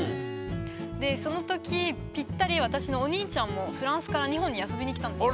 でその時ぴったり私のお兄ちゃんもフランスから日本に遊びに来たんですよ。